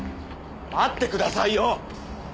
待ってくださいよ！